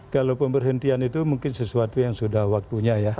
kalau pemberhentian itu mungkin sesuatu yang sudah waktunya ya